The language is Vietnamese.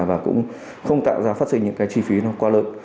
và cũng không tạo ra phát sinh những cái chi phí nó qua lợi